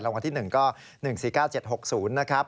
รางวัลที่๑ก็๑๔๙๗๖๐นะครับ